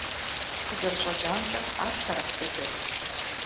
Къызэрыщӏэкӏамкӏэ, ар лъэрыхь дыдэт.